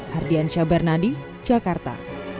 hardian syabernadi jakarta